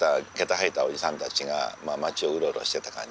履いたおじさんたちが街をウロウロしてた感じ。